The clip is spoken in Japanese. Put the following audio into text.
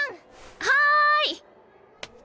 はい！